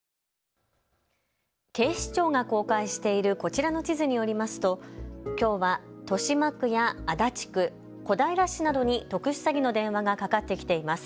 警視庁が公開しているこちらの地図によりますときょうは豊島区や足立区、小平市などに特殊詐欺の電話がかかってきています。